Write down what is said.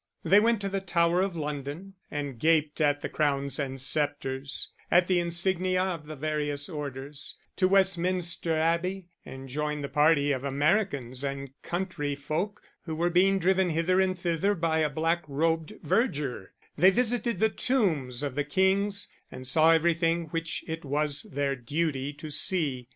They went to the Tower of London and gaped at the crowns and sceptres, at the insignia of the various orders; to Westminster Abbey and joined the party of Americans and country folk who were being driven hither and thither by a black robed verger; they visited the tombs of the kings and saw everything which it was their duty to see.